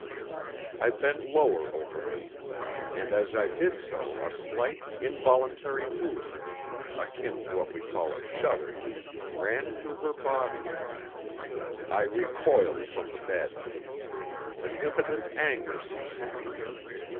I bent lower over her, and as I did so a slight, involuntary movement, akin to what we call a shudder, ran through her body. I recoiled from the bed. An impotent anger seized me.